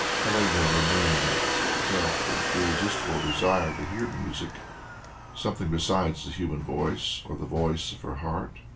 Helene remained. She felt an irresistible desire to hear music something besides the human voice or the voice of her heart.